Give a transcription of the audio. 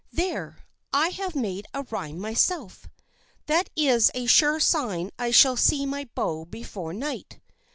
There, I have made a rhyme myself. That is a sure sign I shall see my beau before night.